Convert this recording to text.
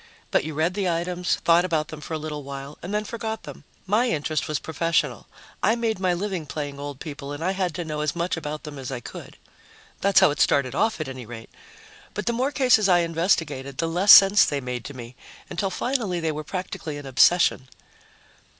But you read the items, thought about them for a little while, and then forgot them. My interest was professional; I made my living playing old people and I had to know as much about them as I could. That's how it started off, at any rate. But the more cases I investigated, the less sense they made to me, until finally they were practically an obsession.